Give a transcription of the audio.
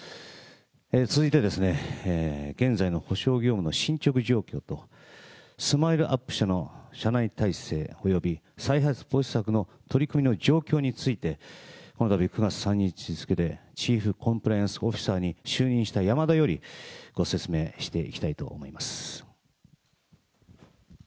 続いてですね、現在の補償業務の進捗状況と、スマイルアップ社の社内体制及び再発防止策の取り組みの状況について、このたび９月３０日付でチーフコンプライアンスオフィサーに就任した山田よりご説明していきたいと思います。